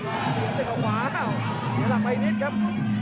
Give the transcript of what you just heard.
อีกนิดนึงข้าวขวาอ้าวเดี๋ยวหลังไปอีกนิดครับ